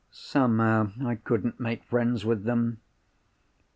Somehow, I couldn't make friends with them.